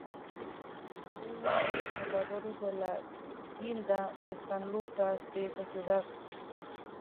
Fue uno de los fundadores de la Guilda de San Lucas de esa ciudad.